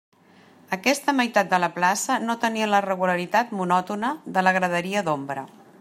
Aquesta meitat de la plaça no tenia la regularitat monòtona de la graderia d'ombra.